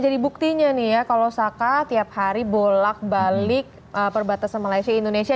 jadi buktinya nih ya kalau saka tiap hari bolak balik perbatasan malaysia indonesia